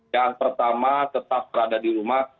yang pertama tetap berada di rumah